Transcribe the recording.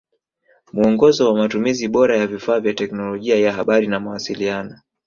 Muongozo wa Matumizi bora ya vifaa vya teknolojia ya habari na mawasiliano